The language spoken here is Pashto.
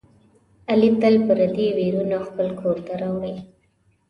علي تل پردي ویرونه خپل کورته راوړي.